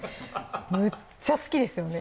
むっちゃ好きですよね